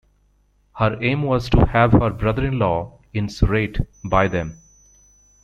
Her aim was to have her brother-in-law in Suratte buy them.